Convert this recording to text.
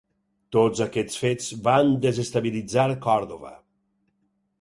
Tots aquests fets van desestabilitzar Còrdova.